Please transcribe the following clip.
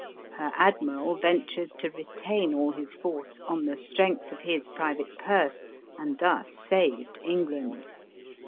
Her admiral ventured to retain all his force, on the strength of his private purse, and thus saved England.